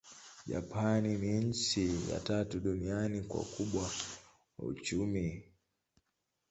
Japani ni nchi ya tatu duniani kwa ukubwa wa uchumi.